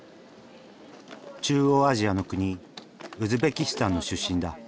中央アジアの国ウズベキスタンの出身だ。